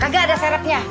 gak ada serepnya